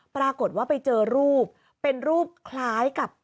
ปรากฏว่าไปเจอรูปเป็นรูปคล้ายกับ